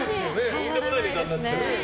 とんでもない値段になっちゃう。